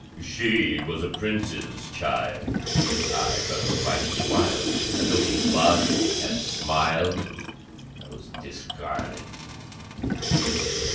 "She was a Prince's child, I but a Viking wild, And though she blushed and smiled, I was discarded!